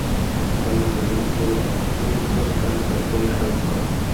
কোনো কালে নবীনকে যদি কোনো কারণে দরকার হয় স্মরণ কোরো।